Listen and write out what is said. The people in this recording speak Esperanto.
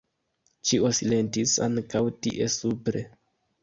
Ĉio silentis ankaŭ tie supre.